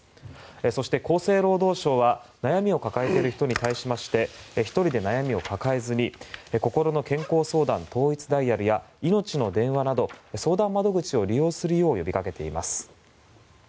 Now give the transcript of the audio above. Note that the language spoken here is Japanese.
そして厚生労働省は悩みを抱えている人に対して１人で悩みを抱えずにこころの健康相談統一ダイヤルやいのちの電話など相談窓口を利用するよう呼びかけています。